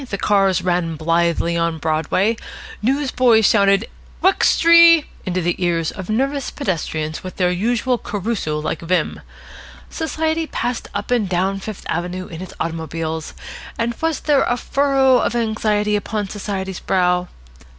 The cars ran blithely on Broadway. Newsboys shouted "Wux try!" into the ears of nervous pedestrians with their usual Caruso like vim. Society passed up and down Fifth Avenue in its automobiles, and was there a furrow of anxiety upon Society's brow?